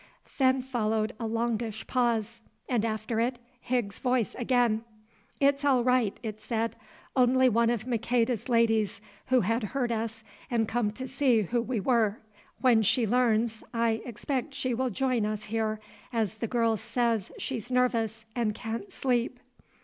Then followed a longish pause, and after it Higgs's voice again. "It's all right," it said. "Only one of Maqueda's ladies who had heard us and come to see who we were. When she learns I expect she will join us here, as the girl says she's nervous and can't sleep."